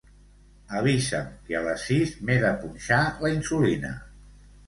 Avisa'm que a les sis m'he de punxar la insulina.